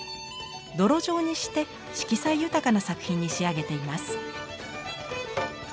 泥状にして色彩豊かな作品に仕上げています。